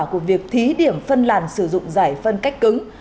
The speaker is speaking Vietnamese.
của việc thí điểm phân làn sử dụng giải phân cách cứng